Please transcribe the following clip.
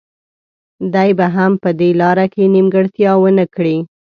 دی به هم په دې لاره کې نیمګړتیا ونه کړي.